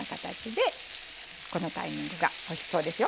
このタイミングがおいしそうでしょう。